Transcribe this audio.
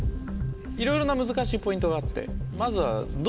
いろいろな難しいポイントがあってまずは。